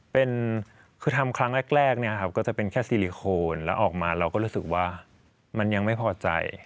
เป็นคือทำครั้งแรกเนี่ยครับก็จะเป็นแค่ซีลิโคนแล้วออกมาเราก็รู้สึกว่ามันยังไม่พอใจ